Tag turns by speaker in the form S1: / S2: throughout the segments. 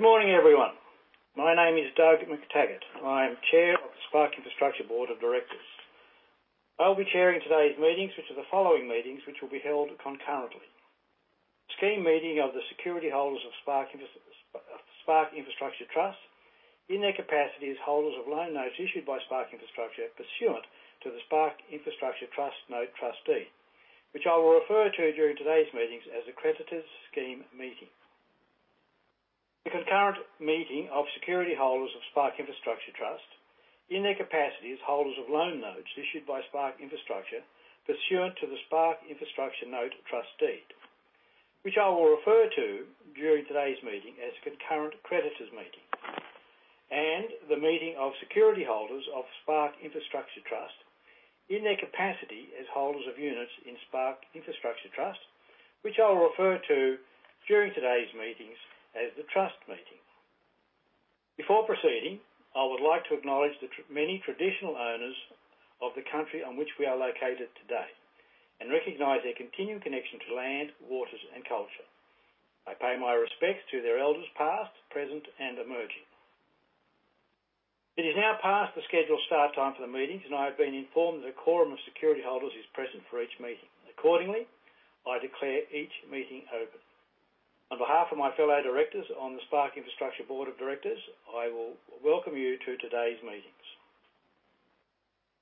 S1: Good morning, everyone. My name is Doug McTaggart. I am Chair of the Spark Infrastructure Board of Directors. I'll be chairing today's meetings, which are the following meetings which will be held concurrently. Scheme meeting of the security holders of Spark Infrastructure Trust in their capacity as holders of loan notes issued by Spark Infrastructure pursuant to the Spark Infrastructure Note Trust Deed, which I will refer to during today's meetings as the Creditors Scheme Meeting. The concurrent meeting of security holders of Spark Infrastructure Trust in their capacity as holders of loan notes issued by Spark Infrastructure pursuant to the Spark Infrastructure Note Trust Deed, which I will refer to during today's meeting as Concurrent Creditors Meeting. The meeting of security holders of Spark Infrastructure Trust in their capacity as holders of units in Spark Infrastructure Trust, which I'll refer to during today's meetings as the Trust Meeting. Before proceeding, I would like to acknowledge the traditional owners of the country on which we are located today and recognize their continued connection to land, waters, and culture. I pay my respects to their elders past, present, and emerging. It is now past the scheduled start time for the meetings, and I have been informed that a quorum of security holders is present for each meeting. Accordingly, I declare each meeting open. On behalf of my fellow directors on the Spark Infrastructure Board of Directors, I will welcome you to today's meetings.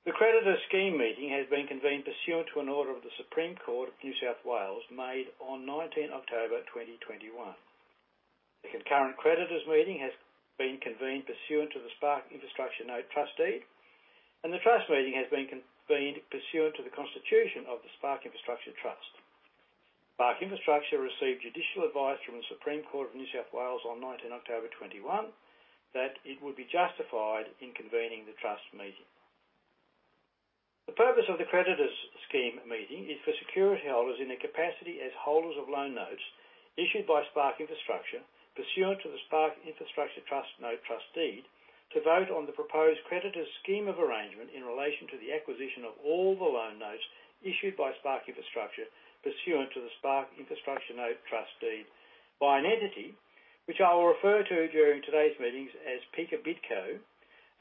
S1: The Creditors Scheme Meeting has been convened pursuant to an order of the Supreme Court of New South Wales made on 19 October 2021. The Concurrent Creditors Meeting has been convened pursuant to the Spark Infrastructure Note Trust Deed, and the Trust Meeting has been convened pursuant to the constitution of the Spark Infrastructure Trust. Spark Infrastructure received judicial advice from the Supreme Court of New South Wales on 19th October 2021 that it would be justified in convening the Trust Meeting. The purpose of the Creditors Scheme Meeting is for security holders in their capacity as holders of loan notes issued by Spark Infrastructure pursuant to the Spark Infrastructure Note Trust Deed to vote on the proposed Creditors Scheme of Arrangement in relation to the acquisition of all the loan notes issued by Spark Infrastructure pursuant to the Spark Infrastructure Note Trust Deed by an entity which I will refer to during today's meetings as Pika Bidco,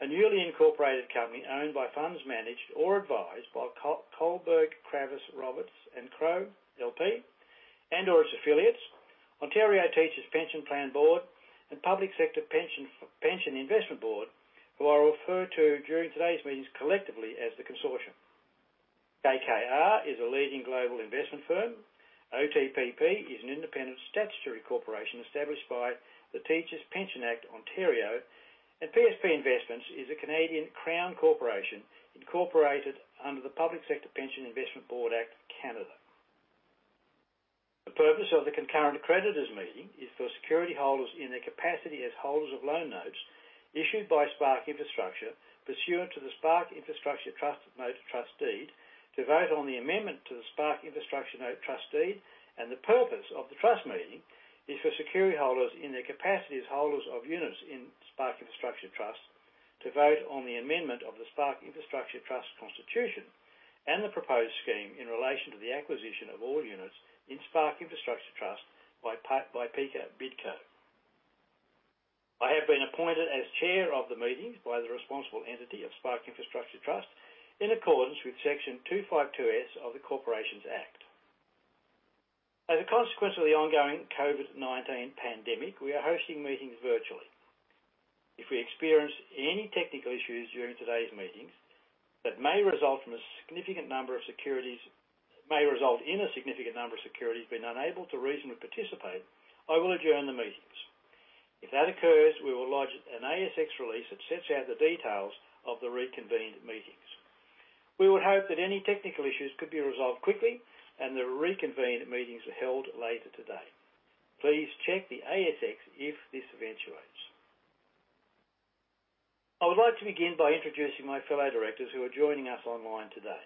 S1: a newly incorporated company owned by funds managed or advised by Kohlberg Kravis Roberts & Co. L.P. and/or its affiliates, Ontario Teachers' Pension Plan Board, and Public Sector Pension Investment Board, who I'll refer to during today's meetings collectively as the Consortium. KKR is a leading global investment firm. OTPP is an independent statutory corporation established by the Teachers' Pension Act, Ontario. PSP Investments is a Canadian Crown corporation incorporated under the Public Sector Pension Investment Board Act of Canada. The purpose of the Concurrent Creditors Meeting is for security holders in their capacity as holders of loan notes issued by Spark Infrastructure pursuant to the Spark Infrastructure Note Trust Deed to vote on the amendment to the Spark Infrastructure Note Trust Deed. The purpose of the Trust Meeting is for security holders in their capacity as holders of units in Spark Infrastructure Trust to vote on the amendment of the Spark Infrastructure Trust constitution and the proposed scheme in relation to the acquisition of all units in Spark Infrastructure Trust by Pika Bidco. I have been appointed as chair of the meetings by the responsible entity of Spark Infrastructure Trust in accordance with Section 252S of the Corporations Act. As a consequence of the ongoing COVID-19 pandemic, we are hosting meetings virtually. If we experience any technical issues during today's meetings that may result in a significant number of securities being unable to reasonably participate, I will adjourn the meetings. If that occurs, we will lodge an ASX release that sets out the details of the reconvened meetings. We would hope that any technical issues could be resolved quickly and the reconvened meetings are held later today. Please check the ASX if this eventuates. I would like to begin by introducing my fellow directors who are joining us online today,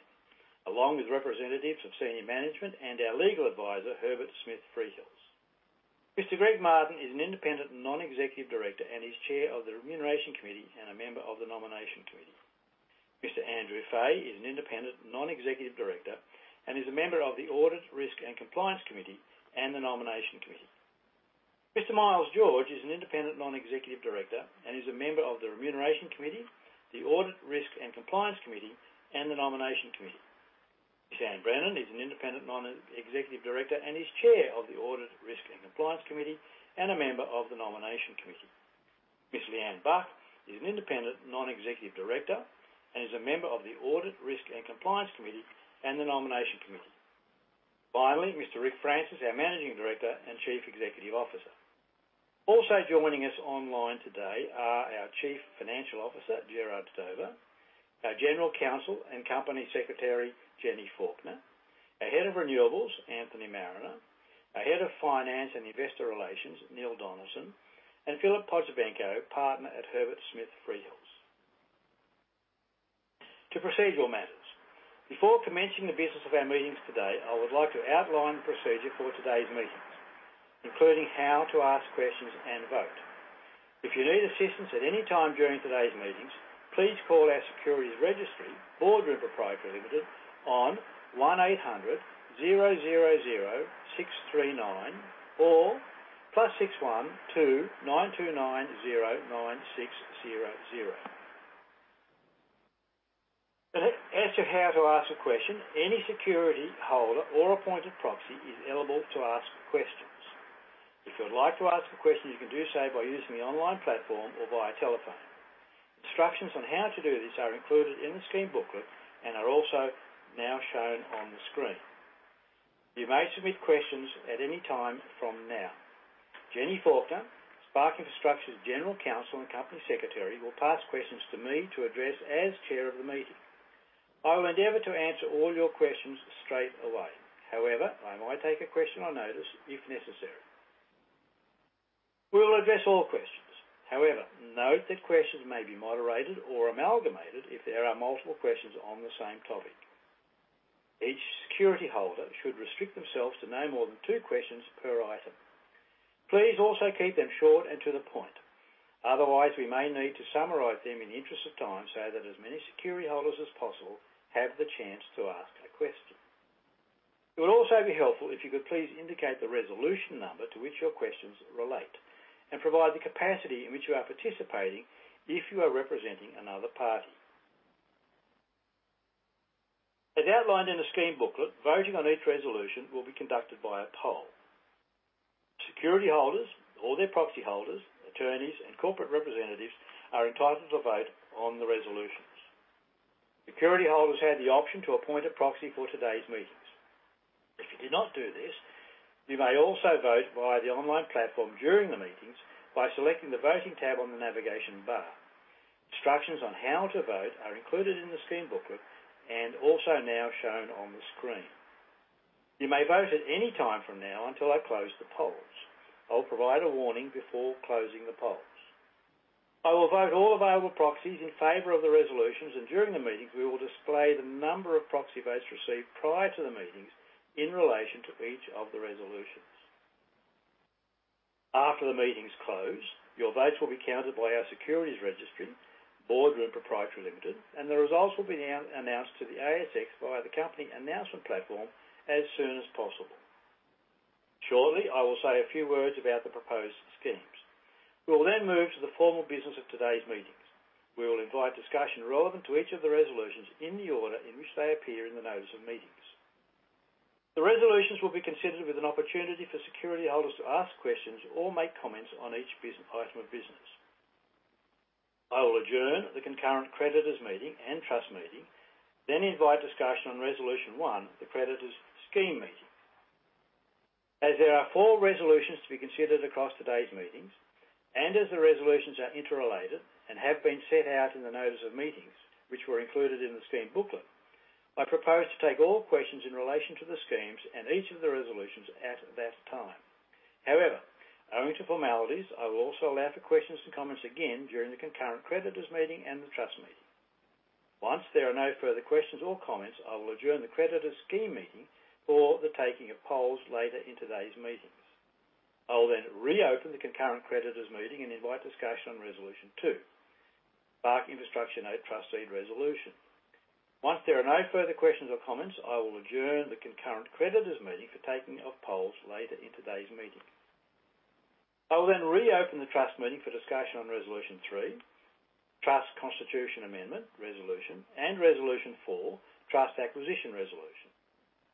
S1: along with representatives of senior management and our legal advisor, Herbert Smith Freehills. Mr. Greg Martin is an independent non-executive director and is chair of the Remuneration Committee and a member of the Nomination Committee. Mr. Andrew Fay is an independent non-executive director and is a member of the Audit, Risk and Compliance Committee and the Nomination Committee. Mr. Miles George is an independent non-executive director and is a member of the Remuneration Committee, the Audit, Risk and Compliance Committee, and the Nomination Committee. Ms. Anne Brennan is an independent non-executive director and is chair of the Audit, Risk and Compliance Committee, and a member of the Nomination Committee. Ms. Lianne Buck is an independent non-executive director and is a member of the Audit, Risk and Compliance Committee and the Nomination Committee. Finally, Mr. Rick Francis, our managing director and chief executive officer. Also joining us online today are our chief financial officer, Gerard Dover, our general counsel and company secretary, Jenny Faulkner, our head of renewables, Anthony Marriner, our head of finance and investor relations, Neil Donaldson, and Philip Podzebenko, partner at Herbert Smith Freehills. To procedural matters. Before commencing the business of our meetings today, I would like to outline the procedure for today's meetings, including how to ask questions and vote. If you need assistance at any time during today's meetings, please call our securities registry, Boardroom Pty Limited, on 1800 006 39 or +61 2 9290 9600. As to how to ask a question, any security holder or appointed proxy is eligible to ask questions. If you would like to ask a question, you can do so by using the online platform or via telephone. Instructions on how to do this are included in the scheme booklet and are also now shown on the screen. You may submit questions at any time from now. Jenny Faulkner, Spark Infrastructure's General Counsel and Company Secretary, will pass questions to me to address as chair of the meeting. I will endeavor to answer all your questions straight away. However, I might take a question on notice if necessary. We will address all questions. However, note that questions may be moderated or amalgamated if there are multiple questions on the same topic. Each security holder should restrict themselves to no more than two questions per item. Please also keep them short and to the point. Otherwise, we may need to summarize them in the interest of time so that as many security holders as possible have the chance to ask a question. It would also be helpful if you could please indicate the resolution number to which your questions relate and provide the capacity in which you are participating if you are representing another party. As outlined in the scheme booklet, voting on each resolution will be conducted by a poll. Security holders or their proxy holders, attorneys, and corporate representatives are entitled to vote on the resolutions. Security holders had the option to appoint a proxy for today's meetings. If you did not do this, you may also vote via the online platform during the meetings by selecting the Voting tab on the navigation bar. Instructions on how to vote are included in the scheme booklet and also now shown on the screen. You may vote at any time from now until I close the polls. I'll provide a warning before closing the polls. I will vote all available proxies in favor of the resolutions, and during the meeting, we will display the number of proxy votes received prior to the meetings in relation to each of the resolutions. After the meetings close, your votes will be counted by our securities registry, Boardroom Pty Limited, and the results will be announced to the ASX via the company announcement platform as soon as possible. Shortly, I will say a few words about the proposed schemes. We will then move to the formal business of today's meetings. We will invite discussion relevant to each of the resolutions in the order in which they appear in the notice of meetings. The resolutions will be considered with an opportunity for security holders to ask questions or make comments on each item of business. I will adjourn the concurrent creditors meeting and trust meeting, then invite discussion on resolution one, the creditors scheme meeting. As there are four resolutions to be considered across today's meetings, and as the resolutions are interrelated and have been set out in the notice of meetings, which were included in the scheme booklet, I propose to take all questions in relation to the schemes and each of the resolutions at that time. However, owing to formalities, I will also allow for questions and comments again during the concurrent creditors meeting and the trust meeting. Once there are no further questions or comments, I will adjourn the creditors scheme meeting for the taking of polls later in today's meetings. I will then reopen the concurrent creditors meeting and invite discussion on resolution two, Spark Infrastructure Note Trustee resolution. Once there are no further questions or comments, I will adjourn the concurrent creditors meeting for taking of polls later in today's meeting. I will then reopen the trust meeting for discussion on resolution three, trust constitution amendment resolution, and resolution four, trust acquisition resolution.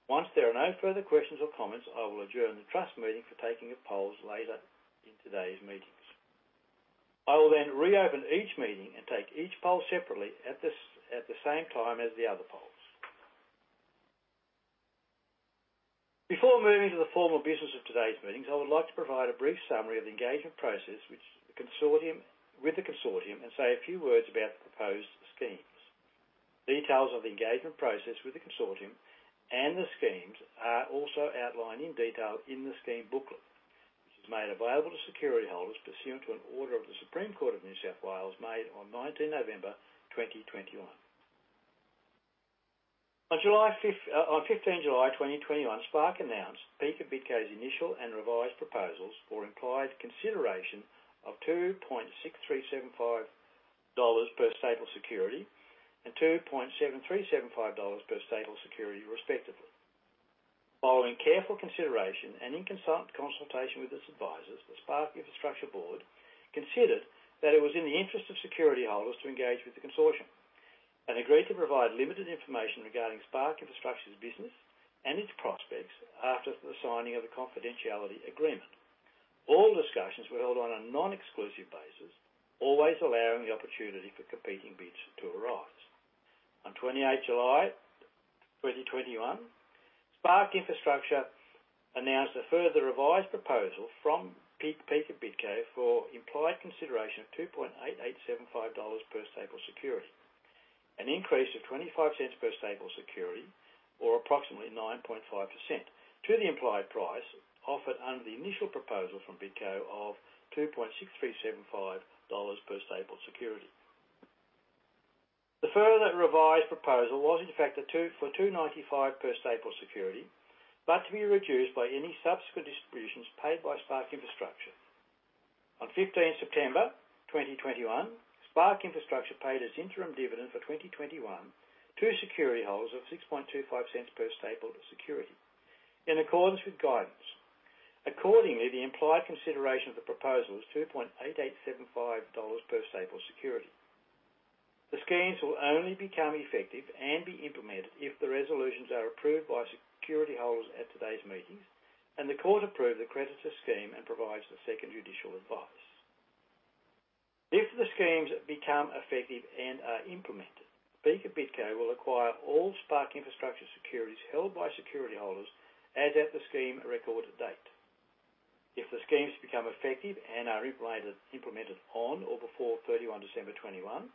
S1: Once there are no further questions or comments, I will adjourn the trust meeting for taking of polls later in today's meetings. I will then reopen each meeting and take each poll separately at the same time as the other polls. Before moving to the formal business of today's meetings, I would like to provide a brief summary of the engagement process with the consortium and say a few words about the proposed schemes. Details of the engagement process with the consortium and the schemes are also outlined in detail in the scheme booklet, which was made available to security holders pursuant to an order of the Supreme Court of New South Wales made on 19th November 2021. On 15th July 2021, Spark announced Pika and Bidco's initial and revised proposals for implied consideration of 2.6375 dollars per stapled security and 2.7375 dollars per stapled security, respectively. Following careful consideration and in consultation with its advisors, the Spark Infrastructure Board considered that it was in the interest of security holders to engage with the consortium and agreed to provide limited information regarding Spark Infrastructure's business and its prospects after the signing of the confidentiality agreement. All discussions were held on a non-exclusive basis, always allowing the opportunity for competing bids to arise. On 28th July 2021, Spark Infrastructure announced a further revised proposal from Pika Bidco for implied consideration of 2.8875 dollars per stapled security, an increase of 0.25 per stapled security or approximately 9.5% to the implied price offered under the initial proposal from Bidco of 2.6375 dollars per stapled security. The further revised proposal was in fact a 2.95 per stapled security, but to be reduced by any subsequent distributions paid by Spark Infrastructure. On 15th September 2021, Spark Infrastructure paid its interim dividend for 2021 to security holders of 0.0625 per stapled security in accordance with guidance. Accordingly, the implied consideration of the proposal is 2.8875 dollars per stapled security. The schemes will only become effective and be implemented if the resolutions are approved by security holders at today's meetings and the court approve the creditor's scheme and provides the second judicial advice. If the schemes become effective and are implemented, Pika Bidco will acquire all Spark Infrastructure securities held by security holders as at the scheme record date. If the schemes become effective and are implemented on or before 31th December 2021,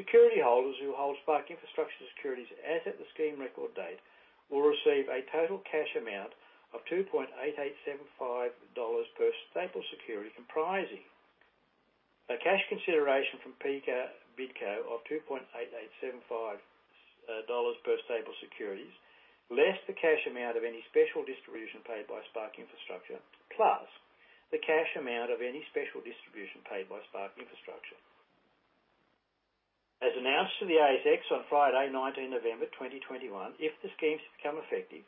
S1: security holders who hold Spark Infrastructure securities as at the scheme record date will receive a total cash amount of 2.8875 dollars per stapled security, comprising a cash consideration from Pika Bidco of 2.8875 dollars per stapled securities, less the cash amount of any special distribution paid by Spark Infrastructure, plus the cash amount of any special distribution paid by Spark Infrastructure. As announced to the ASX on Friday, 19th November 2021, if the schemes become effective,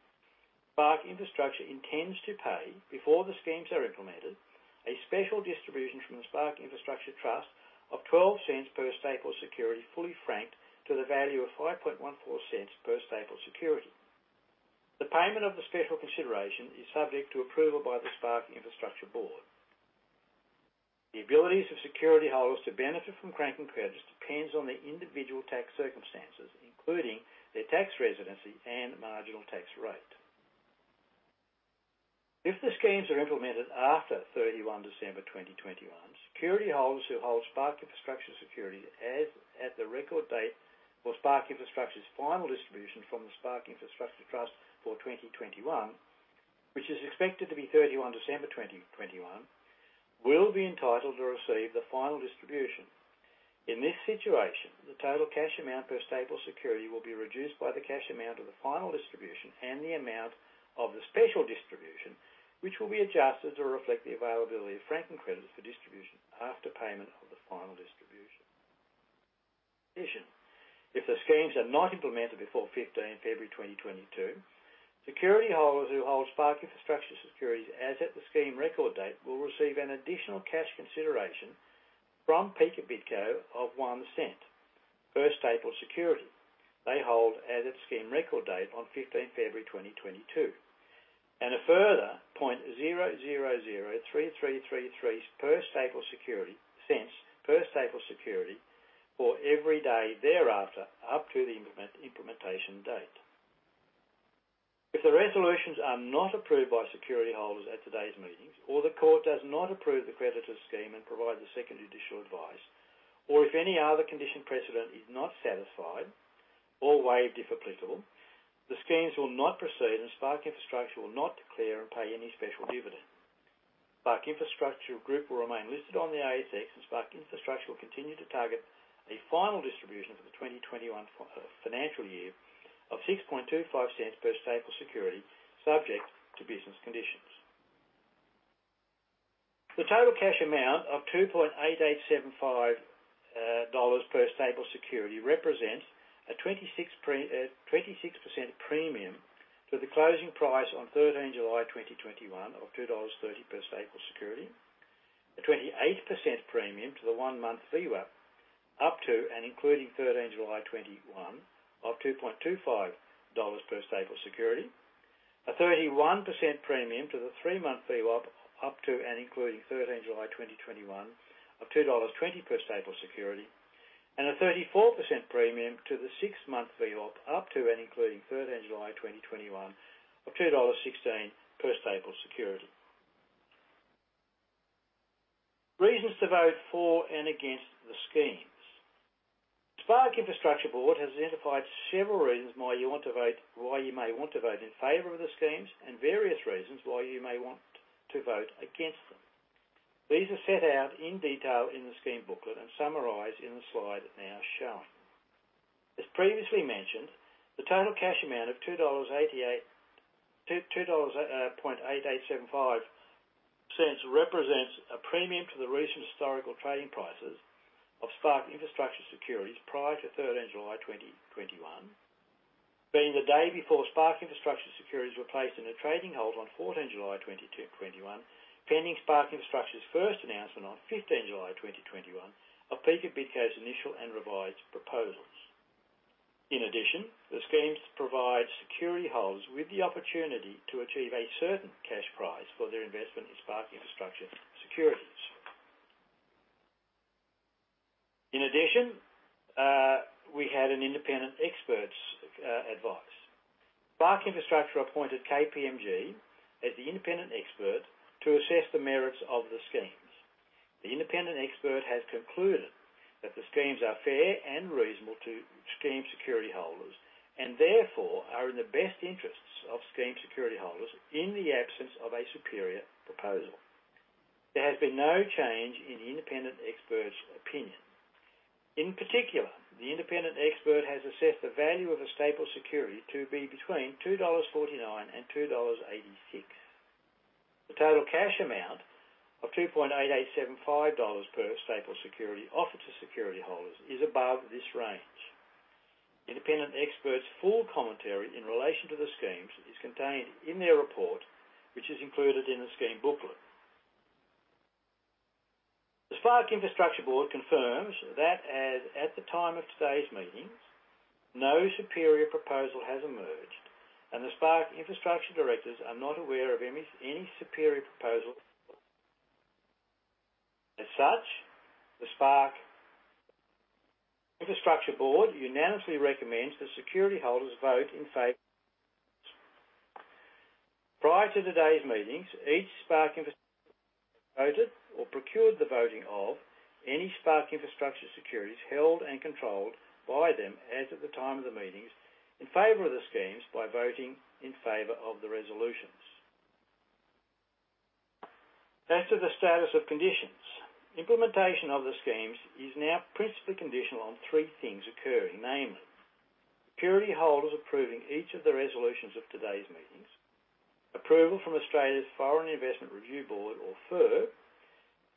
S1: Spark Infrastructure intends to pay, before the schemes are implemented, a special distribution from the Spark Infrastructure Trust of 0.12 per stapled security, fully franked to the value of 0.0514 per stapled security. The payment of the special consideration is subject to approval by the Spark Infrastructure Board. The abilities of security holders to benefit from franking credits depends on their individual tax circumstances, including their tax residency and marginal tax rate. If the schemes are implemented after 31th December 2021, security holders who hold Spark Infrastructure securities as at the record date for Spark Infrastructure's final distribution from the Spark Infrastructure Trust for 2021, which is expected to be 31th December 2021, will be entitled to receive the final distribution. In this situation, the total cash amount per stapled security will be reduced by the cash amount of the final distribution and the amount of the special distribution, which will be adjusted to reflect the availability of franking credits for distribution after payment of the final distribution. In addition, if the schemes are not implemented before 15th February 2022, security holders who hold Spark Infrastructure securities as at the scheme record date will receive an additional cash consideration from Pika Bidco of 0.01 per stapled security they hold as at scheme record date on 15th February 2022, and a further AUD 0.0003333 cents per stapled security for every day thereafter up to the implementation date. If the resolutions are not approved by security holders at today's meetings, or the court does not approve the creditor's scheme and provide the second judicial advice, or if any other condition precedent is not satisfied or waived, if applicable, the schemes will not proceed and Spark Infrastructure will not declare and pay any special dividend. Spark Infrastructure Group will remain listed on the ASX, and Spark Infrastructure will continue to target a final distribution for the 2021 financial year of 0.0625 per stapled security, subject to business conditions. The total cash amount of 2.8875 dollars per stapled security represents a 26% premium to the closing price on 13th July 2021 of 2.30 dollars per stapled security, a 28% premium to the one-month VWAP up to and including 13th July 2021 of 2.25 dollars per stapled security, a 31% premium to the three-month VWAP up to and including 13th July 2021 of 2.20 dollars per stapled security, and a 34% premium to the six-month VWAP up to and including 13th July 2021 of 2.16 dollars per stapled security. Reasons to vote for and against the schemes. Spark Infrastructure Board has identified several reasons why you may want to vote in favor of the schemes and various reasons why you may want to vote against them. These are set out in detail in the scheme booklet and summarized in the slide now shown. As previously mentioned, the total cash amount of 2.8875 dollars represents a premium to the recent historical trading prices of Spark Infrastructure securities prior to 13th July 2021, being the day before Spark Infrastructure securities were placed in a trading hold on 14th July 2021, pending Spark Infrastructure's first announcement on 15th July 2021 of Pika Bidco's initial and revised proposals. In addition, the schemes provide security holders with the opportunity to achieve a certain cash price for their investment in Spark Infrastructure securities. In addition, we had an independent expert's advice. Spark Infrastructure appointed KPMG as the independent expert to assess the merits of the schemes. The independent expert has concluded that the schemes are fair and reasonable to scheme security holders and therefore are in the best interests of scheme security holders in the absence of a superior proposal. There has been no change in the independent expert's opinion. In particular, the independent expert has assessed the value of a staple security to be between 2.49 dollars and 2.86 dollars. The total cash amount of 2.8875 dollars per staple security offered to security holders is above this range. Independent experts' full commentary in relation to the schemes is contained in their report, which is included in the scheme booklet. The Spark Infrastructure board confirms that as at the time of today's meetings, no superior proposal has emerged, and the Spark Infrastructure directors are not aware of any superior proposal. As such, the Spark Infrastructure board unanimously recommends that security holders vote in favor. Prior to today's meetings, each voted or procured the voting of any Spark Infrastructure securities held and controlled by them as at the time of the meetings in favor of the schemes by voting in favor of the resolutions. As to the status of conditions, implementation of the schemes is now principally conditional on three things occurring, namely, security holders approving each of the resolutions of today's meetings, approval from Australia's Foreign Investment Review Board or FIRB,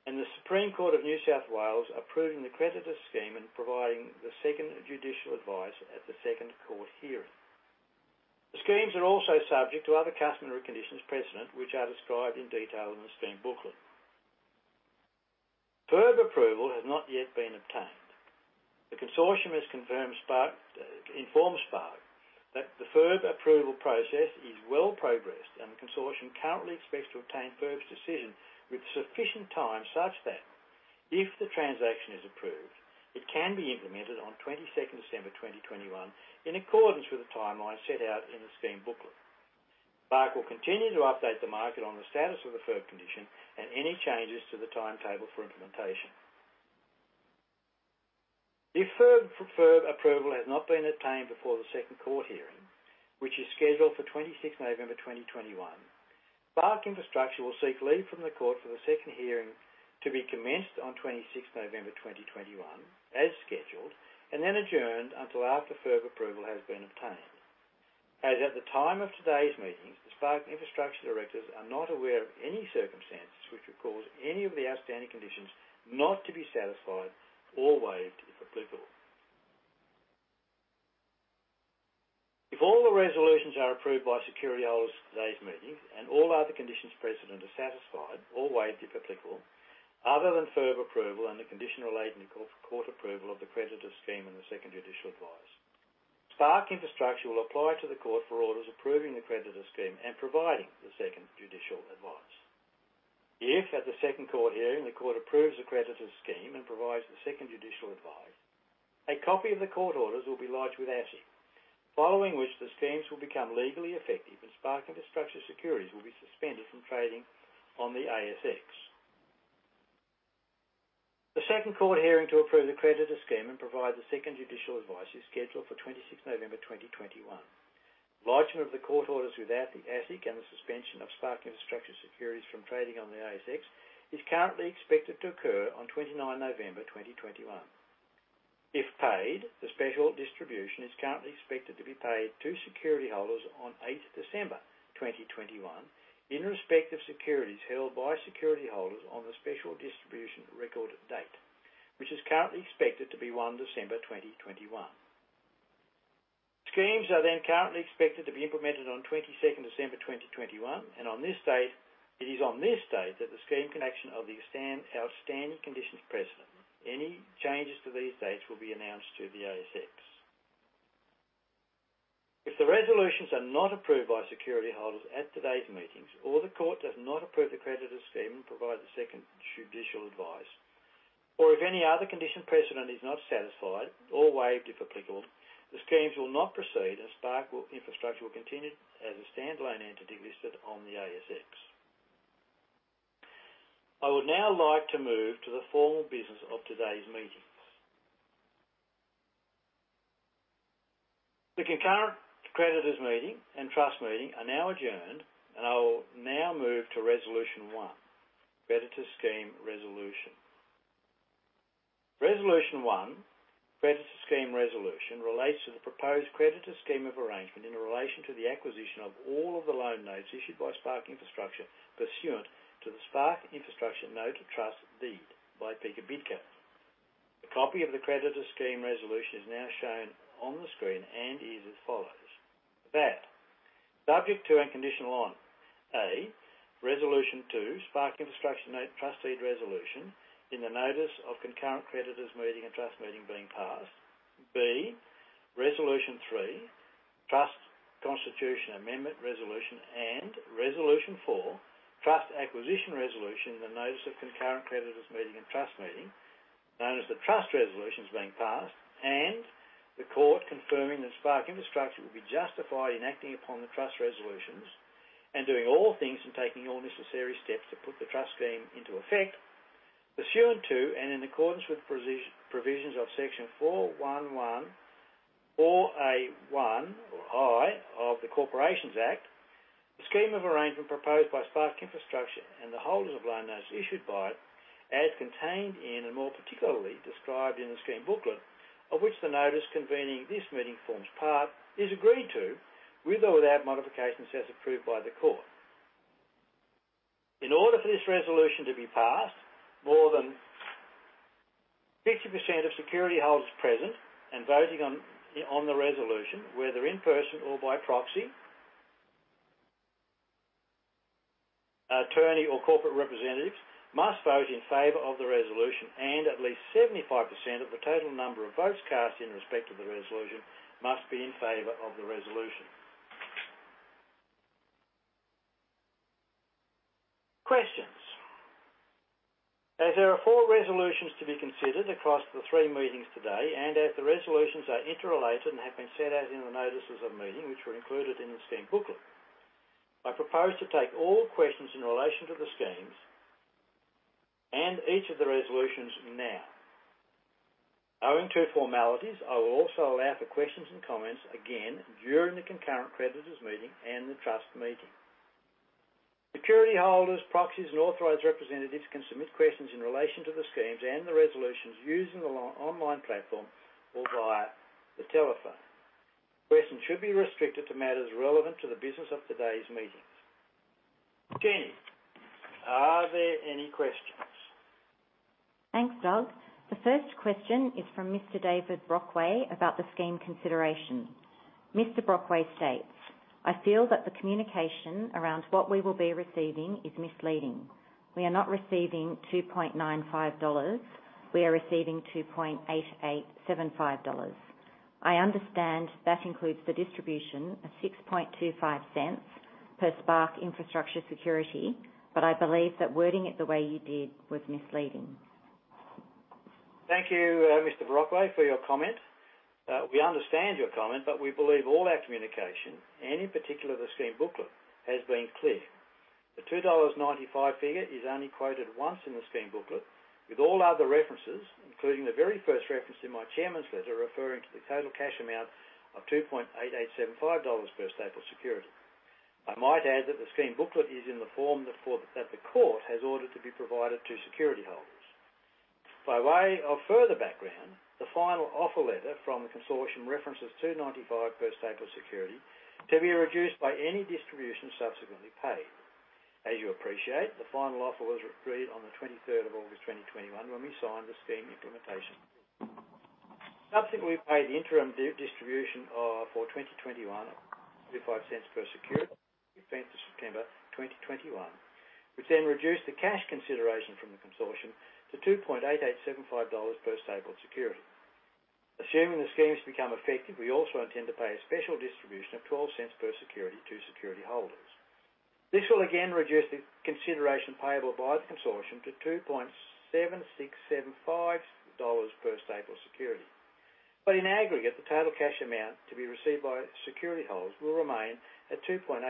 S1: and the Supreme Court of New South Wales approving the creditors scheme and providing the second judicial advice at the second court hearing. The schemes are also subject to other customary conditions precedent, which are described in detail in the scheme booklet. FIRB approval has not yet been obtained. The consortium has informed Spark that the FIRB approval process is well progressed and the consortium currently expects to obtain FIRB's decision with sufficient time such that if the transaction is approved, it can be implemented on 22nd December 2021 in accordance with the timeline set out in the scheme booklet. Spark will continue to update the market on the status of the FIRB condition and any changes to the timetable for implementation. If FIRB approval has not been obtained before the second court hearing, which is scheduled for 26th November 2021, Spark Infrastructure will seek leave from the court for the second hearing to be commenced on 26th November 2021 as scheduled, and then adjourned until after FIRB approval has been obtained. As at the time of today's meetings, the Spark Infrastructure directors are not aware of any circumstances which would cause any of the outstanding conditions not to be satisfied or waived, if applicable. If all the resolutions are approved by security holders at today's meeting, and all other conditions precedent are satisfied or waived, if applicable, other than FIRB approval and the conditional and the court approval of the creditors' scheme and the second judicial advice, Spark Infrastructure will apply to the court for orders approving the creditors' scheme and providing the second judicial advice. If at the second court hearing, the court approves the creditors' scheme and provides the second judicial advice, a copy of the court orders will be lodged with ASIC, following which the schemes will become legally effective and Spark Infrastructure securities will be suspended from trading on the ASX. The second court hearing to approve the creditors scheme and provide the second judicial advice is scheduled for 26th November 2021. Lodgment of the court orders with ASIC and the suspension of Spark Infrastructure securities from trading on the ASX is currently expected to occur on 29th November 2021. If paid, the special distribution is currently expected to be paid to security holders on 8th December 2021 in respect of securities held by security holders on the special distribution record date, which is currently expected to be 1st December 2021. Schemes are then currently expected to be implemented on 22nd December 2021, and on this date the satisfaction of the outstanding conditions precedent. Any changes to these dates will be announced through the ASX. If the resolutions are not approved by security holders at today's meetings, or the court does not approve the creditors scheme and provide the second judicial advice, or if any other condition precedent is not satisfied or waived, if applicable, the schemes will not proceed, and Spark Infrastructure will continue as a standalone entity listed on the ASX. I would now like to move to the formal business of today's meetings. The concurrent creditors meeting and trust meeting are now adjourned, and I will now move to resolution one, creditors scheme resolution. Resolution one, creditors scheme resolution, relates to the proposed creditors scheme of arrangement in relation to the acquisition of all of the loan notes issued by Spark Infrastructure pursuant to the Spark Infrastructure Note Trust Deed by Pika Bidco. A copy of the creditors scheme resolution is now shown on the screen and is as follows. That, subject to and conditional on A, Resolution two, Spark Infrastructure Note Trust Deed resolution in the notice of concurrent creditors meeting and trust meeting being passed. B, Resolution three, trust constitution amendment resolution, and Resolution four, trust acquisition resolution in the notice of concurrent creditors meeting and trust meeting, known as the trust resolutions being passed. The court confirming that Spark Infrastructure would be justified in acting upon the trust resolutions and doing all things and taking all necessary steps to put the trust scheme into effect. Pursuant to and in accordance with the provisions of section 411(1)(i) of the Corporations Act, the scheme of arrangement proposed by Spark Infrastructure and the holders of loan notes issued by it as contained in and more particularly described in the scheme booklet, of which the notice convening this meeting forms part, is agreed to with or without modifications as approved by the Court. In order for this resolution to be passed, more than 50% of security holders present and voting on the resolution, whether in person or by proxy, attorney or corporate representatives, must vote in favor of the resolution, and at least 75% of the total number of votes cast in respect to the resolution must be in favor of the resolution. Questions. As there are four resolutions to be considered across the three meetings today, and as the resolutions are interrelated and have been set out in the notices of meeting, which were included in the scheme booklet, I propose to take all questions in relation to the schemes and each of the resolutions now. Owing to formalities, I will also allow for questions and comments again during the concurrent creditors meeting and the trust meeting. Security holders, proxies and authorized representatives can submit questions in relation to the schemes and the resolutions using the online platform or via the telephone. Questions should be restricted to matters relevant to the business of today's meetings. Jenny, are there any questions?
S2: Thanks, Doug. The first question is from Mr. David Brockway about the scheme consideration. Mr. Brockway states, "I feel that the communication around what we will be receiving is misleading. We are not receiving 2.95 dollars. We are receiving 2.8875 dollars. I understand that includes the distribution of 0.0625 per Spark Infrastructure security, but I believe that wording it the way you did was misleading.
S1: Thank you, Mr. Brockway, for your comment. We understand your comment, but we believe all our communication, and in particular the scheme booklet, has been clear. The 2.95 dollars figure is only quoted once in the scheme booklet with all other references, including the very first reference in my chairman's letter, referring to the total cash amount of 2.8875 dollars per stapled security. I might add that the scheme booklet is in the form that the Court has ordered to be provided to security holders. By way of further background, the final offer letter from the consortium references AUD 2.95 per stapled security to be reduced by any distribution subsequently paid. As you appreciate, the final offer was agreed on the 23rd of August 2021 when we signed the scheme implementation. Subsequently paid interim distribution for 2021 at AUD 0.025 per security, 15th September 2021, which then reduced the cash consideration from the consortium to 2.8875 dollars per stapled security. Assuming the schemes become effective, we also intend to pay a special distribution of 0.12 per security to security holders. This will again reduce the consideration payable by the consortium to 2.7675 dollars per stapled security. In aggregate, the total cash amount to be received by security holders will remain at 2.8875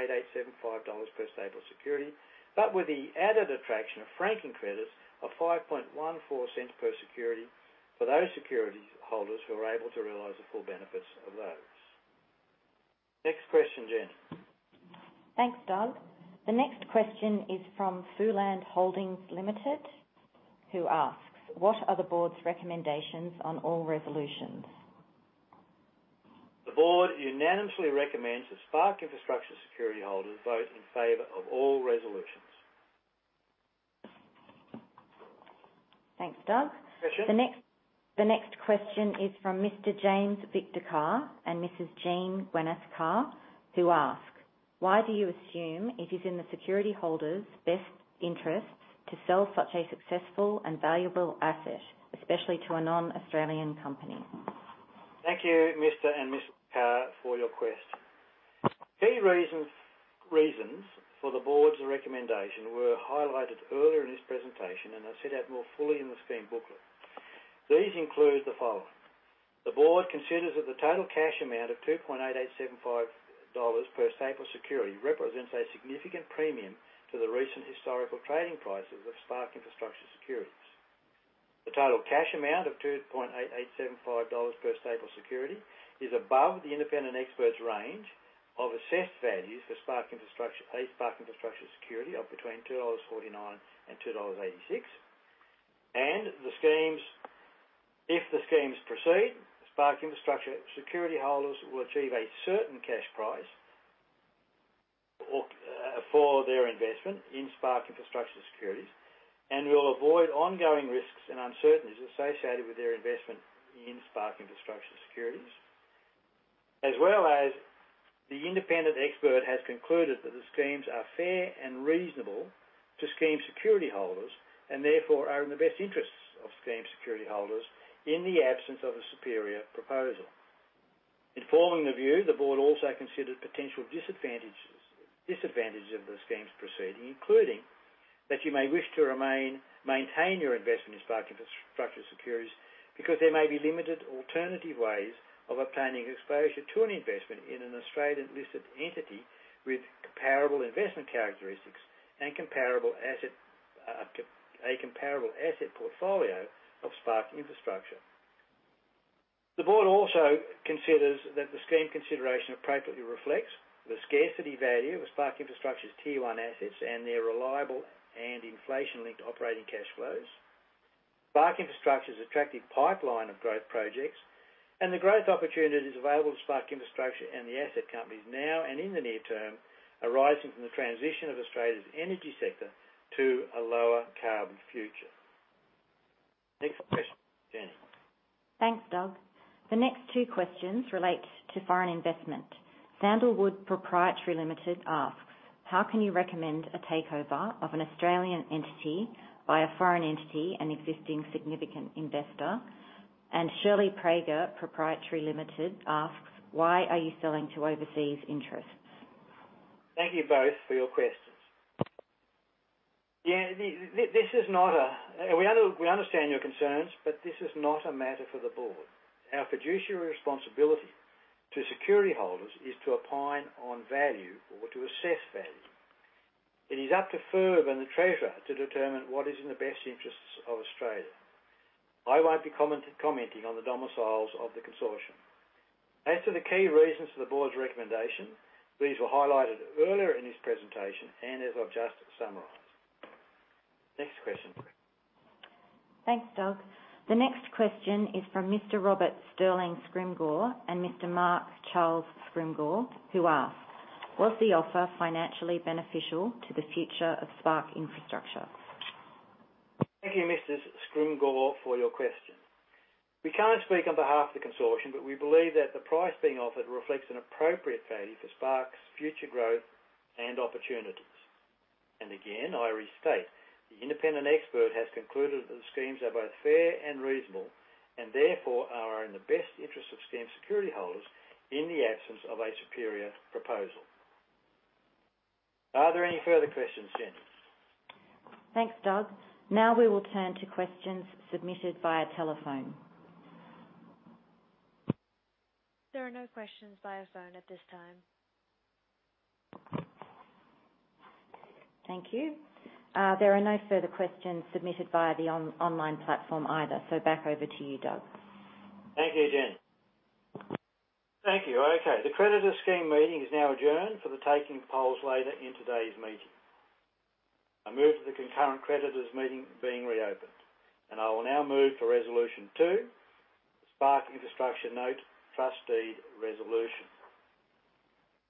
S1: dollars per stapled security, but with the added attraction of franking credits of 0.0514 per security for those security holders who are able to realize the full benefits of those. Next question, Jen.
S2: Thanks, Doug. The next question is from Foreland Holdings Limited, who asks, "What are the board's recommendations on all resolutions?
S1: The Board unanimously recommends that Spark Infrastructure security holders vote in favor of all resolutions.
S2: Thanks, Doug.
S1: Question.
S2: The next question is from Mr. James Victor Karr and Mrs. Jean Gwenneth Karr, who ask, "Why do you assume it is in the security holders' best interests to sell such a successful and valuable asset, especially to a non-Australian company?
S1: Thank you, Mr. and Mrs. Karr, for your question. Key reasons for the board's recommendation were highlighted earlier in this presentation, and they're set out more fully in the scheme booklet. These include the following. The board considers that the total cash amount of 2.8875 dollars per stapled security represents a significant premium to the recent historical trading prices of Spark Infrastructure securities. The total cash amount of 2.8875 dollars per stapled security is above the independent expert's range of assessed values for a Spark Infrastructure security of between 2.49 dollars and 2.86 dollars. If the schemes proceed, Spark Infrastructure security holders will achieve a certain cash price or for their investment in Spark Infrastructure securities and will avoid ongoing risks and uncertainties associated with their investment in Spark Infrastructure securities. The independent expert has concluded that the schemes are fair and reasonable to scheme security holders and therefore are in the best interests of scheme security holders in the absence of a superior proposal. In forming the view, the board also considered potential disadvantages of the schemes proceeding, including that you may wish to maintain your investment in Spark Infrastructure securities because there may be limited alternative ways of obtaining exposure to an investment in an Australian-listed entity with comparable investment characteristics and a comparable asset portfolio of Spark Infrastructure. The board also considers that the scheme consideration appropriately reflects the scarcity value of Spark Infrastructure's tier one assets and their reliable and inflation-linked operating cash flows. Spark Infrastructure's attractive pipeline of growth projects and the growth opportunities available to Spark Infrastructure and the asset companies now and in the near term, arising from the transition of Australia's energy sector to a lower carbon future. Next question, Jenny.
S2: Thanks, Doug. The next two questions relate to foreign investment. Sandalwood Proprietory Limited asks, "How can you recommend a takeover of an Australian entity by a foreign entity, an existing significant investor?" Shirley Prager asks, "Why are you selling to overseas interests?
S1: Thank you both for your questions. Yeah, we understand your concerns, but this is not a matter for the board. Our fiduciary responsibility to security holders is to opine on value or to assess value. It is up to FIRB and the Treasurer to determine what is in the best interests of Australia. I won't be commenting on the domiciles of the consortium. As to the key reasons for the board's recommendation, these were highlighted earlier in this presentation and as I've just summarized. Next question.
S2: Thanks, Doug. The next question is from Mr. Robert Sterling Scrimgeour and Mr. Mark Charles Scrimgeour, who asks, "Was the offer financially beneficial to the future of Spark Infrastructure?
S1: Thank you, Mrs. Scrimgeour, for your question. We can't speak on behalf of the consortium, but we believe that the price being offered reflects an appropriate value for Spark's future growth and opportunities. Again, I restate, the independent expert has concluded that the schemes are both fair and reasonable, and therefore are in the best interest of scheme security holders in the absence of a superior proposal. Are there any further questions, Jenny?
S2: Thanks, Doug. Now we will turn to questions submitted via telephone.
S3: There are no questions via phone at this time.
S2: Thank you. There are no further questions submitted via the online platform either. Back over to you, Doug.
S1: Thank you, Jen. Thank you. Okay. The creditor scheme meeting is now adjourned for the taking of polls later in today's meeting. I move to the concurrent creditors meeting being reopened, and I will now move to Resolution two, Spark Infrastructure Note Trust Deed Resolution.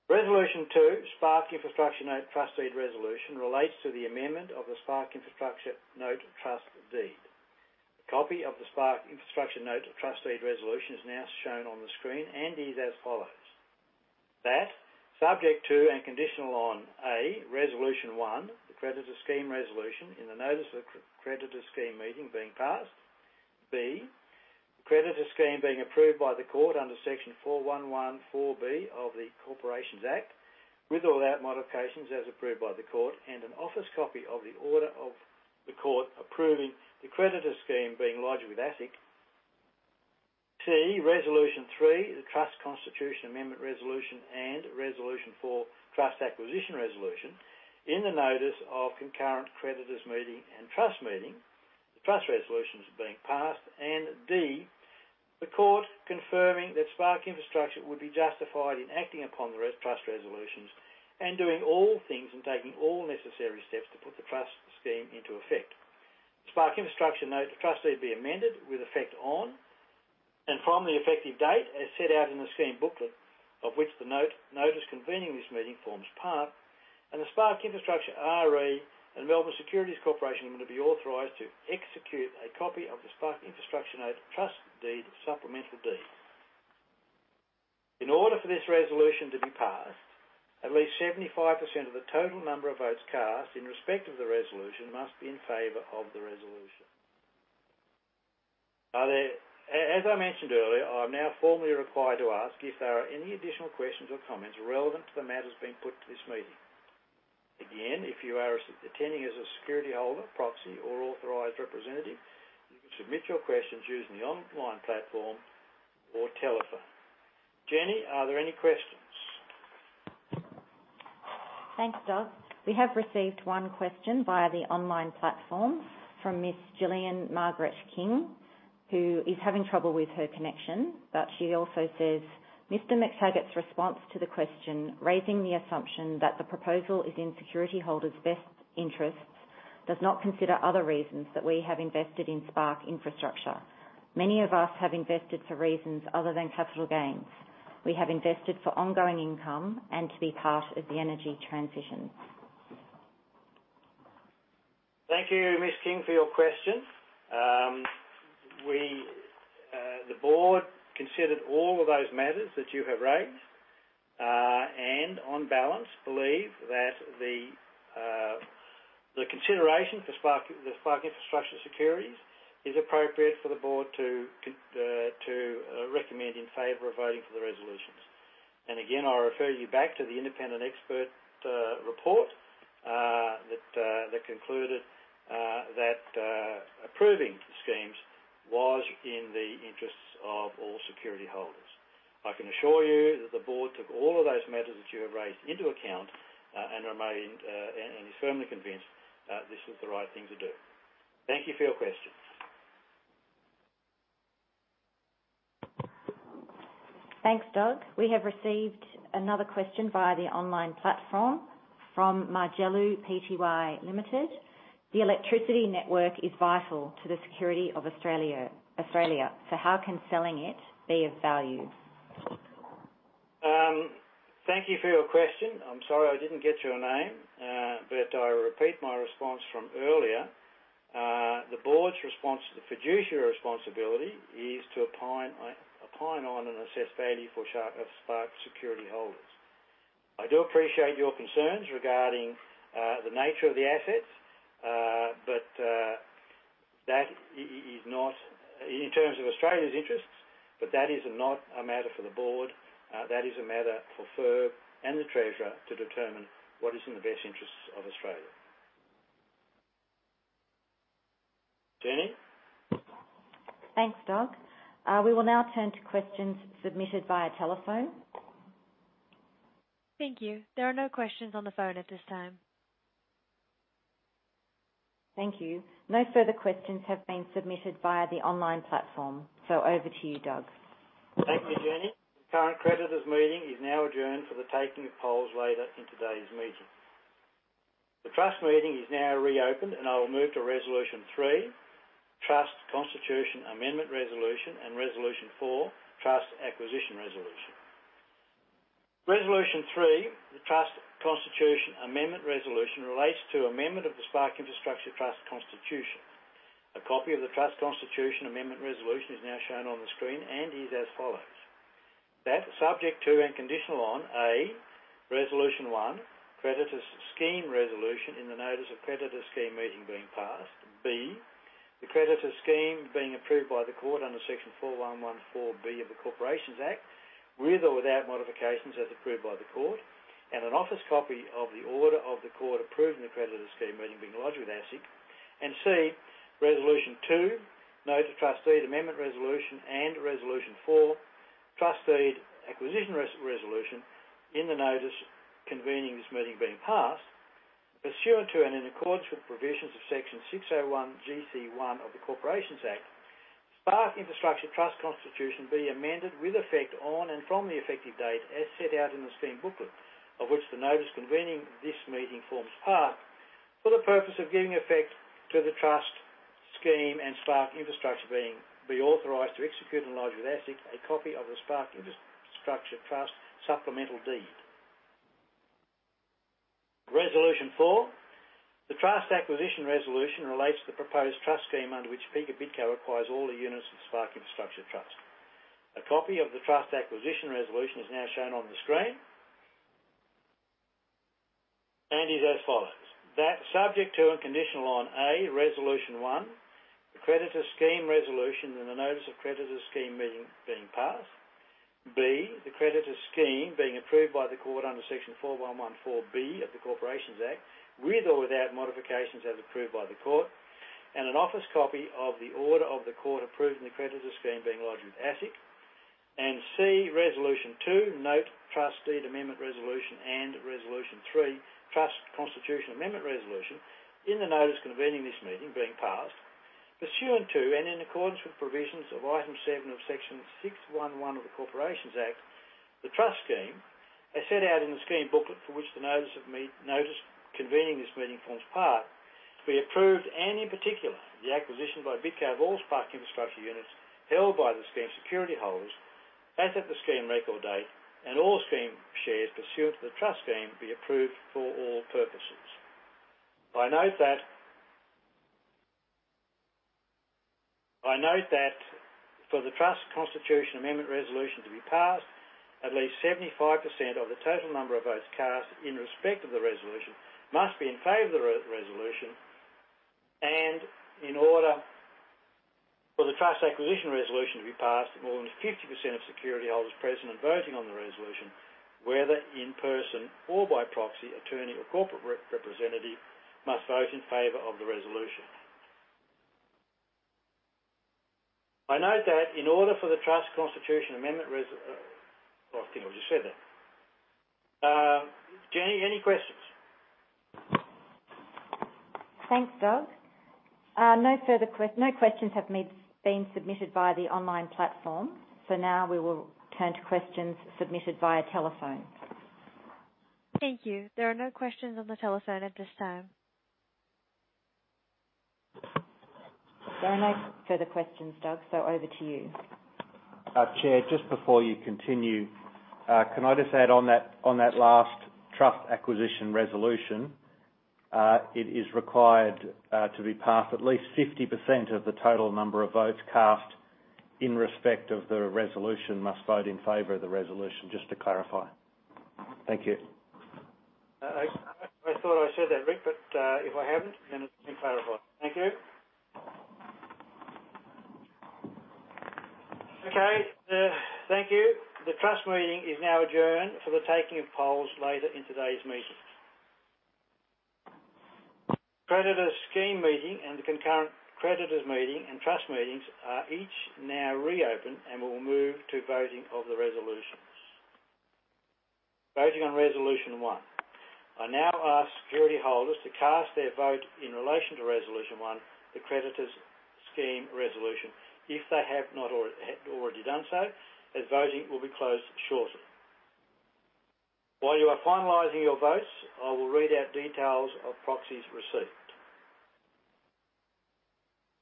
S1: Resolution two, Spark Infrastructure Note Trust Deed Resolution relates to the amendment of the Spark Infrastructure Note Trust Deed. A copy of the Spark Infrastructure Note Trust Deed Resolution is now shown on the screen and is as follows: That subject to and conditional on, A, Resolution one, the Creditor Scheme Resolution in the notice of creditor scheme meeting being passed. B, the Creditor Scheme being approved by the court under section 411(4)(b) of the Corporations Act, with or without modifications as approved by the court, and an office copy of the order of the court approving the Creditor Scheme being lodged with ASIC. C, Resolution three, the Trust Constitution Amendment Resolution, and Resolution four, Trust Acquisition Resolution in the notice of concurrent creditors' meeting and trust meeting, the Trust Resolutions being passed. D, the Court confirming that Spark Infrastructure would be justified in acting upon the Trust Resolutions and doing all things and taking all necessary steps to put the trust scheme into effect. Spark Infrastructure Note Trust Deed be amended with effect on and from the effective date as set out in the scheme booklet, of which the note-notice convening this meeting forms part, and the Spark Infrastructure RE and Melbourne Securities Corporation are going to be authorized to execute a copy of the Spark Infrastructure Note Trust Deed Supplemental Deed. In order for this resolution to be passed, at least 75% of the total number of votes cast in respect of the resolution must be in favor of the resolution. Are there. As I mentioned earlier, I'm now formally required to ask if there are any additional questions or comments relevant to the matters being put to this meeting. Again, if you are attending as a security holder, proxy, or authorized representative, you can submit your questions using the online platform or telephone. Jenny, are there any questions?
S2: Thanks, Doug. We have received one question via the online platform from Miss Jillian Margaret King, who is having trouble with her connection, but she also says, "Mr. McTaggart's response to the question, raising the assumption that the proposal is in security holders' best interests, does not consider other reasons that we have invested in Spark Infrastructure. Many of us have invested for reasons other than capital gains. We have invested for ongoing income and to be part of the energy transition.
S1: Thank you, Ms. King, for your question. The board considered all of those matters that you have raised, and on balance, believe that the consideration for Spark, the Spark Infrastructure securities is appropriate for the board to recommend in favor of voting for the resolutions. Again, I refer you back to the independent expert report that concluded that approving the schemes was in the interests of all security holders. I can assure you that the board took all of those matters that you have raised into account, and is firmly convinced that this was the right thing to do. Thank you for your questions.
S2: Thanks, Doug. We have received another question via the online platform from Majelu Pty Limited. The electricity network is vital to the security of Australia, so how can selling it be of value?
S1: Thank you for your question. I'm sorry I didn't get your name. I repeat my response from earlier. The board's response to the fiduciary responsibility is to opine on an assessed value for shares of Spark security holders. I do appreciate your concerns regarding the nature of the assets. That is not in terms of Australia's interests, but that is not a matter for the board. That is a matter for FIRB and the Treasurer to determine what is in the best interests of Australia. Jenny?
S2: Thanks, Doug. We will now turn to questions submitted via telephone. Thank you. There are no questions on the phone at this time. Thank you. No further questions have been submitted via the online platform, so over to you, Doug.
S1: Thank you, Jenny. The current creditors meeting is now adjourned for the taking of polls later in today's meeting. The trust meeting is now reopened, and I will move to Resolution three, Trust Constitution Amendment Resolution, and Resolution four, Trust Acquisition Resolution. Resolution three, the Trust Constitution Amendment Resolution, relates to amendment of the Spark Infrastructure Trust constitution. A copy of the Trust Constitution Amendment Resolution is now shown on the screen and is as follows. That subject to and conditional on A, Resolution one, Creditors Scheme Resolution in the notice of Creditors Scheme Meeting being passed. B, the Creditors Scheme being approved by the court under section 411(4)(b) of the Corporations Act, with or without modifications as approved by the court, and an office copy of the order of the court approving the Creditors Scheme Meeting being lodged with ASIC. C, Resolution two, Note to Trustee Amendment Resolution, and Resolution four, Trustee Acquisition Resolution in the notice convening this meeting being passed, pursuant to and in accordance with provisions of Section 601GC(1) of the Corporations Act, Spark Infrastructure Trust constitution be amended with effect on and from the effective date as set out in the scheme booklet, of which the notice convening this meeting forms part, for the purpose of giving effect to the trust scheme and Spark Infrastructure being authorized to execute and lodge with ASIC a copy of the Spark Infrastructure Trust Supplemental Deed. Resolution four, the Trust Acquisition Resolution relates to the proposed trust scheme under which Pika Bidco acquires all the units of Spark Infrastructure Trust. A copy of the Trust Acquisition Resolution is now shown on the screen. is as follows: That subject to and conditional on A, Resolution one, the Creditors Scheme Resolution in the notice of Creditors Scheme Meeting being passed. B, the Creditors Scheme being approved by the court under section 411(4)(b) of the Corporations Act, with or without modifications as approved by the court, and an office copy of the order of the court approving the Creditors Scheme being lodged with ASIC. C, Resolution two, Note Trustee Amendment Resolution, and Resolution three, Trust Constitution Amendment Resolution in the notice convening this meeting being passed, pursuant to and in accordance with provisions of Item seven of Section 611 of the Corporations Act, the trust scheme, as set out in the scheme booklet for which the notice convening this meeting forms part, to be approved, and in particular, the acquisition by Bidco of all Spark Infrastructure units held by the scheme security holders as at the scheme record date and all scheme shares pursuant to the trust scheme be approved for all purposes. I note that... I note that for the Trust Constitution Amendment Resolution to be passed, at least 75% of the total number of votes cast in respect of the resolution must be in favor of the resolution, and in order for the Trust Acquisition Resolution to be passed, more than 50% of security holders present and voting on the resolution, whether in person or by proxy attorney or corporate representative, must vote in favor of the resolution. Oh, I think I've just said that. Jenny, any questions?
S2: Thanks, Doug. No further questions have been submitted via the online platform. Now we will turn to questions submitted via telephone. Thank you. There are no questions on the telephone at this time. There are no further questions, Doug, so over to you.
S4: Chair, just before you continue, can I just add on that, on that last Trust Acquisition Resolution, it is required to be passed. At least 50% of the total number of votes cast in respect of the resolution must vote in favor of the resolution, just to clarify. Thank you.
S1: I thought I said that, Rick, but if I haven't, then it's been clarified. Thank you. Okay. Thank you. The trust meeting is now adjourned for the taking of polls later in today's meeting. Creditors Scheme meeting and the concurrent creditors meeting and trust meetings are each now reopened, and we will move to voting of the resolutions. Voting on resolution one. I now ask security holders to cast their vote in relation to resolution one, the Creditors Scheme resolution, if they have not already done so, as voting will be closed shortly. While you are finalizing your votes, I will read out details of proxies received.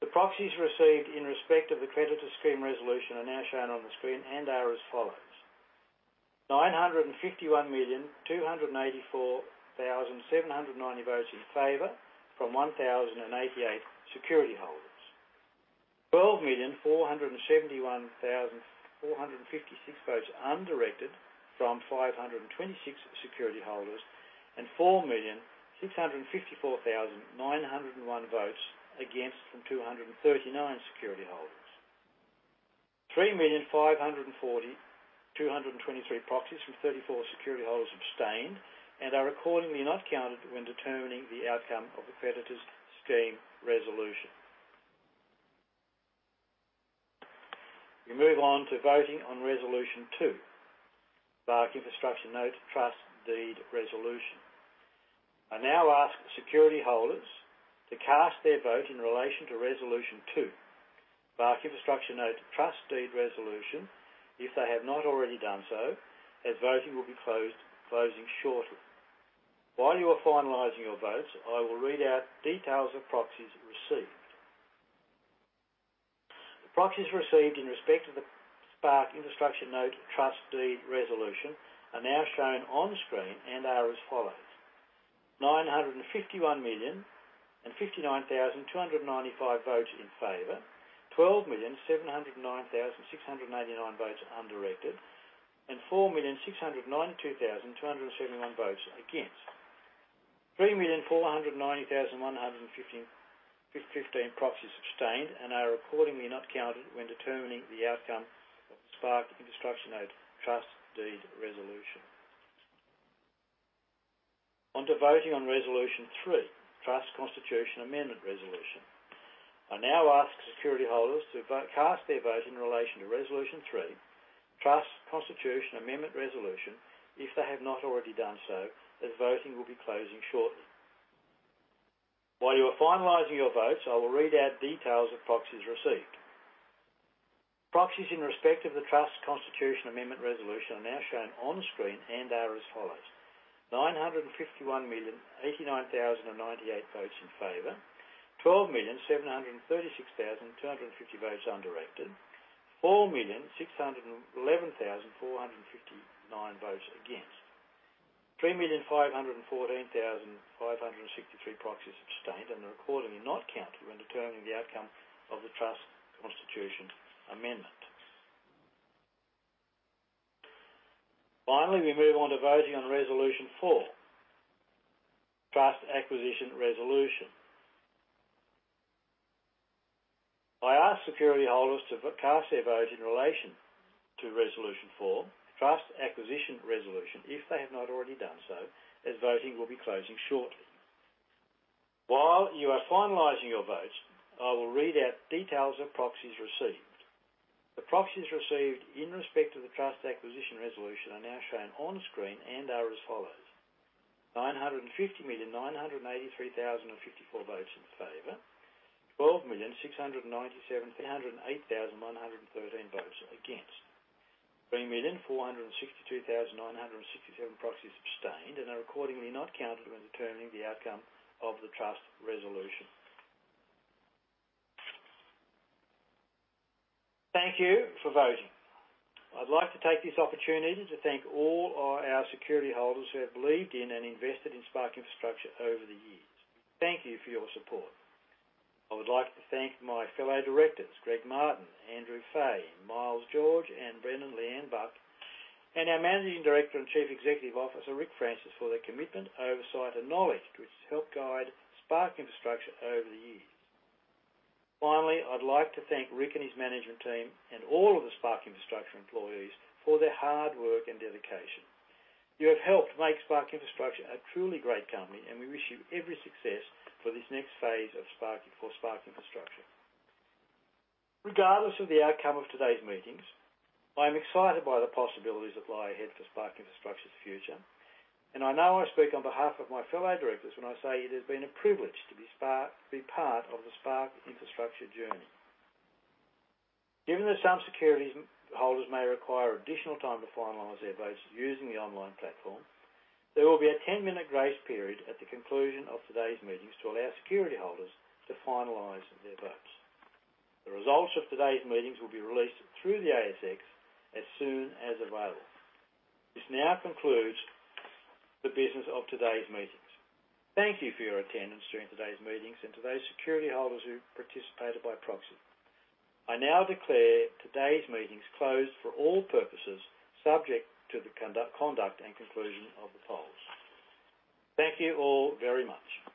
S1: The proxies received in respect of the Creditors Scheme resolution are now shown on the screen and are as follows: 951,284,790 votes in favor from 1,088 security holders. 12,471,456 votes undirected from 526 security holders, and 4,654,901 votes against from 239 security holders. 3,542,223 proxies from 34 security holders abstained and are accordingly not counted when determining the outcome of the Creditors Scheme resolution. We move on to voting on resolution two, Spark Infrastructure Note Trust Deed resolution. I now ask security holders to cast their vote in relation to resolution two, Spark Infrastructure Note Trust Deed resolution, if they have not already done so, as voting will be closing shortly. While you are finalizing your votes, I will read out details of proxies received. The proxies received in respect to the Spark Infrastructure Note Trust Deed resolution are now shown on screen and are as follows: 951,059,295 votes in favor, 12,709,689 votes undirected, and 4,692,271 votes against. 3,490,115 proxies abstained and are accordingly not counted when determining the outcome of the Spark Infrastructure Note Trust Deed resolution. On to voting on resolution three, Trust Constitution Amendment resolution. I now ask security holders to cast their vote in relation to resolution three, Trust Constitution Amendment resolution, if they have not already done so, as voting will be closing shortly. While you are finalizing your votes, I will read out details of proxies received. Proxies in respect of the Trust Constitution Amendment resolution are now shown on screen and are as follows: 951,089,098 votes in favor, 12,736,250 votes undirected, 4,611,459 votes against. 3,514,563 proxies abstained and are accordingly not counted when determining the outcome of the trust constitution amendment. Finally, we move on to voting on resolution four, Trust Acquisition resolution. I ask security holders to cast their vote in relation to resolution four, Trust Acquisition resolution, if they have not already done so, as voting will be closing shortly. While you are finalizing your votes, I will read out details of proxies received. The proxies received in respect to the Trust Acquisition resolution are now shown on screen and are as follows: 950,983,054 votes in favor, 12,697,308 votes against. 3,462,967 proxies abstained and are accordingly not counted when determining the outcome of the trust resolution. Thank you for voting. I'd like to take this opportunity to thank all our security holders who have believed in and invested in Spark Infrastructure over the years. Thank you for your support. I would like to thank my fellow directors, Greg Martin, Andrew Fay, Miles George, Anne Brennan, Lianne Buck, and our Managing Director and Chief Executive Officer, Rick Francis, for their commitment, oversight, and knowledge, which has helped guide Spark Infrastructure over the years. Finally, I'd like to thank Rick and his management team, and all of the Spark Infrastructure employees for their hard work and dedication. You have helped make Spark Infrastructure a truly great company, and we wish you every success for this next phase of Spark Infrastructure. Regardless of the outcome of today's meetings, I am excited by the possibilities that lie ahead for Spark Infrastructure's future, and I know I speak on behalf of my fellow directors when I say it has been a privilege to be part of the Spark Infrastructure journey. Given that some securities holders may require additional time to finalize their votes using the online platform, there will be a 10-minute grace period at the conclusion of today's meetings to allow security holders to finalize their votes. The results of today's meetings will be released through the ASX as soon as available. This now concludes the business of today's meetings. Thank you for your attendance during today's meetings and to those security holders who participated by proxy. I now declare today's meetings closed for all purposes, subject to the conduct and conclusion of the polls. Thank you all very much.